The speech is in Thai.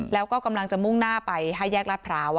แล้วก็กำลังจะมุ่งหน้าไป๕แยกรัฐพร้าว